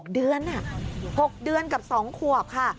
๖เดือน๖เดือนกับ๒ขวบค่ะ